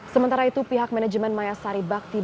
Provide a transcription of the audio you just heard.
sementara itu pihak manajemen mayasari bakti